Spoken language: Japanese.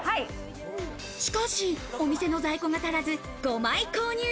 しかし、お店の在庫が足らず５枚購入。